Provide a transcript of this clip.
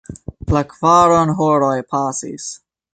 La kvaronhoroj pasis.